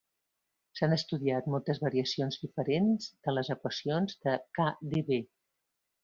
S'han estudiat moltes variacions diferents de les equacions de KdV.